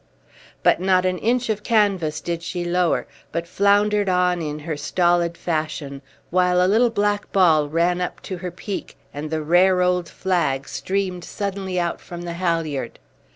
But not an inch of canvas did she lower, but floundered on in her stolid fashion, while a little black ball ran up to her peak, and the rare old flag streamed suddenly out from the halliard.